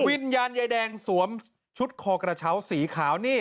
วิญญาณยายแดงสวมชุดคอกระเช้าสีขาวนี่